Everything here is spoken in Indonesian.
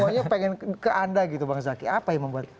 pokoknya pengen ke anda gitu bang zaky apa yang membuat